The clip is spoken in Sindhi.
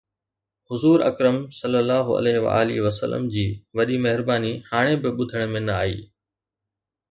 حضور اڪرم صلي الله عليه وآله وسلم جي وڏي مهرباني هاڻي به ٻڌڻ ۾ نه آئي